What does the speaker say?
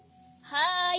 はい！